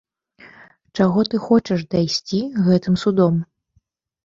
Чаго ты хочаш дайсці гэтым судом?